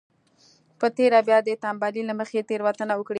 په تېره بيا د تنبلۍ له مخې تېروتنه وکړي.